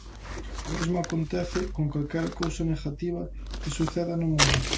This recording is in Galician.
O mesmo acontece con calquera cousa negativa que suceda no mundo.